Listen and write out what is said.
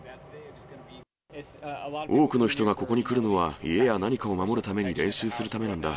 多くの人がここに来るのは、家や何かを守るために練習するためなんだ。